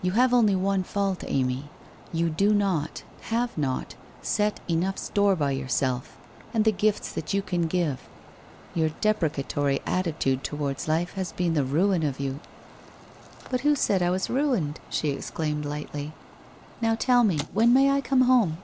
You have only one fault, Amy, you do not, have not, set enough store by yourself, and the gifts that you can give. Your deprecatory atti tude towards life has been the ruin of you/ ' But who said I was ruined ?' she exclaimed lightly. ' Now, tell me, when may I come home